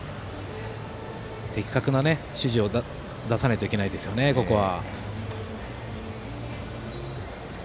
的確な指示を出さないといけないですよね、ここは。